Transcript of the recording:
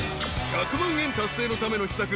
［１００万円達成のための秘策